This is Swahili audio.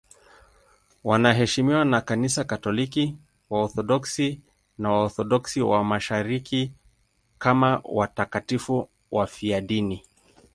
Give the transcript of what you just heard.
Wanaheshimiwa na Kanisa Katoliki, Waorthodoksi na Waorthodoksi wa Mashariki kama watakatifu wafiadini.